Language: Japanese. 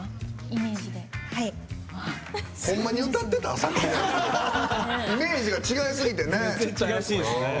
イメージが違いすぎて。